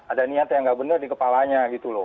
ada niat yang tidak benar di kepalanya